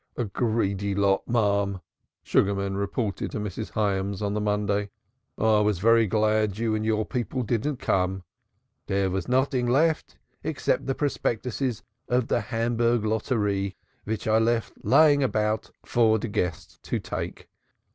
"A greedy lot, marm," Sugarman reported to Mrs. Hyams on the Monday. "I was very glad you and your people didn't come; dere was noding left except de prospectuses of the Hamburg lotter_ee_ vich I left laying all about for de guests to take.